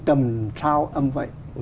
trầm trao âm vậy